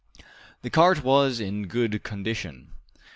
The cart was in good condition.